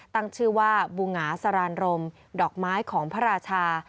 ตั้งชื่อว่าบูหงาสรานรมดอกไม้ของพระราชา